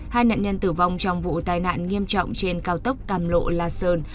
hai nạn nhân tử vong trong vụ tai nạn nghiêm trọng trên cao tốc cam lộ la sơn